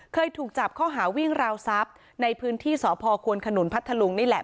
เคยถูกจับข้อหาวิ่งราวทรัพย์ในพื้นที่สพควนขนุนพัทธลุงนี่แหละ